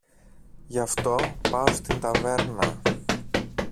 Γι' αυτό πάω στην ταβέρνα.